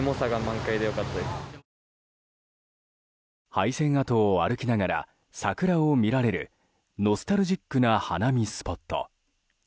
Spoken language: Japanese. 廃線跡を歩きながら桜を見られるノスタルジックな花見スポット。